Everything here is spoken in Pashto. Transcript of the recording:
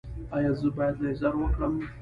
ایا زه باید لیزر وکړم؟